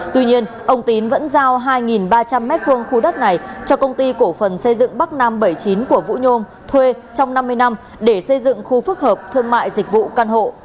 tuy nhiên ông tín vẫn giao hai ba trăm linh m hai khu đất này cho công ty cổ phần xây dựng bắc nam bảy mươi chín của vũ nhôm thuê trong năm mươi năm để xây dựng khu phức hợp thương mại dịch vụ căn hộ